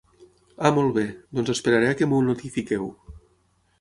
Ah molt bé, doncs esperaré a que m'ho notifiqueu.